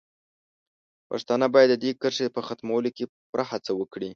پښتانه باید د دې کرښې په ختمولو کې پوره هڅه وکړي.